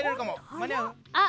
間に合う？